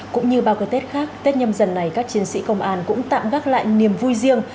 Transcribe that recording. cũng như bao cái tết khác tết nhâm dần này các chiến sĩ công an cũng tạm gác lại niềm vui riêng